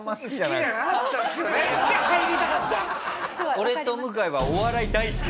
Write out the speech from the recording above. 俺と向井はお笑い大好き。